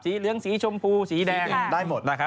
สีเหลืองสีชมพูสีแดง